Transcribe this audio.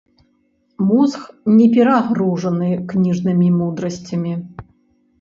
Мозг не перагружаны кніжнымі мудрасцямі.